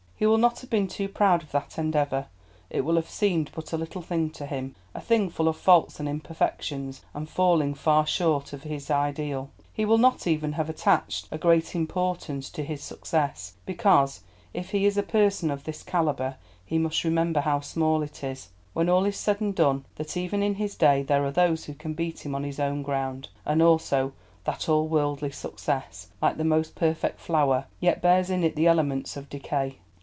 He will not have been too proud of that endeavour; it will have seemed but a little thing to him—a thing full of faults and imperfections, and falling far short of his ideal. He will not even have attached a great importance to his success, because, if he is a person of this calibre, he must remember how small it is, when all is said and done; that even in his day there are those who can beat him on his own ground; and also that all worldly success, like the most perfect flower, yet bears in it the elements of decay.